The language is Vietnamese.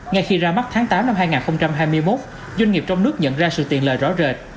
ngay khi ra mắt tháng tám năm hai nghìn hai mươi một doanh nghiệp trong nước nhận ra sự tiện lợi rõ rệt